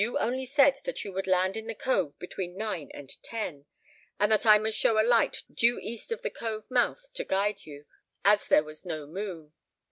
You only said that you would land in the cove between nine and ten, and that I must show a light due east of the cove mouth to guide you, as there was no moon.